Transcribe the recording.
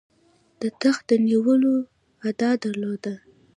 د تخت د نیولو ادعا درلوده.